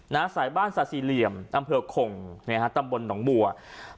ในสายบ้านศาสิเหลี่ยมอำเภอคงตำบลหนองมะนาวอำเภอคง